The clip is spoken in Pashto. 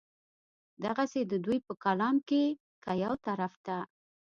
دغسې د دوي پۀ کلام کښې کۀ يو طرف ته